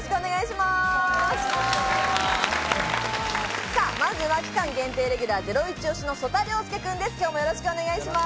まずは期間限定レギュラー、ゼロイチ推しの曽田陵介君です。